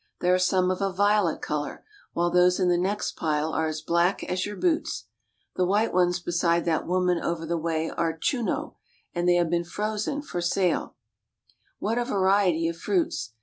There are some of a violet color, while those in the next pile are as black as your boots. The white ones beside that woman over the way are chuno, and have been frozen for sale, What a variety of fruits!